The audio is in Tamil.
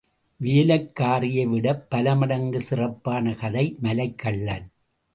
வேலைக்காரியை விடப் பலமடங்கு சிறப்பான கதை மலைக்கள்ளன்.